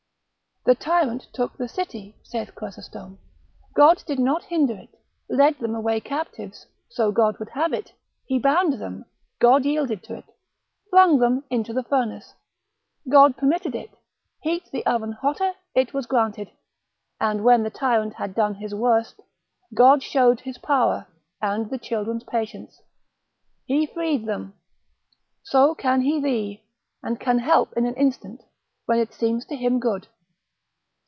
The tyrant took the city (saith Chrysostom), God did not hinder it; led them away captives, so God would have it; he bound them, God yielded to it: flung them into the furnace, God permitted it: heat the oven hotter, it was granted: and when the tyrant had done his worst, God showed his power, and the children's patience; he freed them: so can he thee, and can help in an instant, when it seems to him good.